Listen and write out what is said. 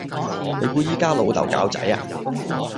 你估依家老豆教仔呀?